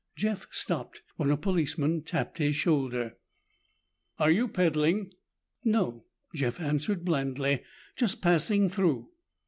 Jeff stopped when a policeman tapped his shoulder. "Are you peddling?" "No," Jeff answered blandly, "just passing through."